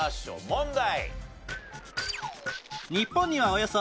問題。